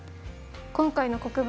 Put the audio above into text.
今回の黒板